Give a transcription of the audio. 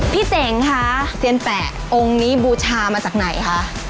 พี่เจ๋งค่ะเสียญแอดโรงนี้บูชามาจากไหนคะ